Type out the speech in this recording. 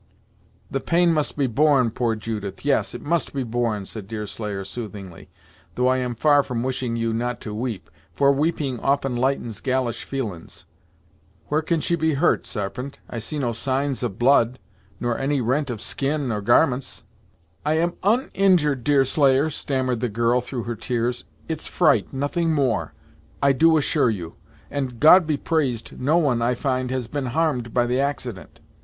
"The pain must be borne, poor Judith yes, it must be borne," said Deerslayer, soothingly, "though I am far from wishing you not to weep; for weeping often lightens galish feelin's. Where can she be hurt, Sarpent? I see no signs of blood, nor any rent of skin or garments?" "I am uninjured, Deerslayer," stammered the girl through her tears. "It's fright nothing more, I do assure you, and, God be praised! no one, I find, has been harmed by the accident."